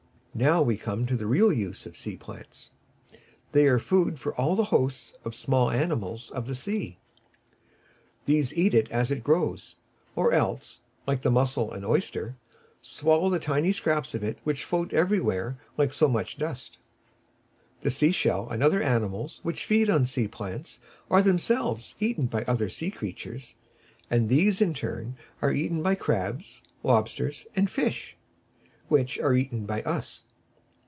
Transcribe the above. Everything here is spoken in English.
Now we come to the real use of sea plants. They are food for all the hosts of small animals of the sea. These eat it as it grows; or else, like the mussel and oyster, swallow the tiny scraps of it which float everywhere like so much dust. The shell fish, and other animals which feed on sea plants, are themselves eaten by other sea creatures, and these in their turn are eaten by crabs, lobsters and fish, which are eaten by us.